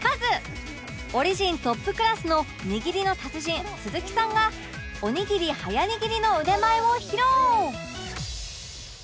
オリジントップクラスのにぎりの達人鈴木さんがおにぎり早にぎりの腕前を披露